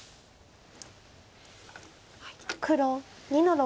黒２の六。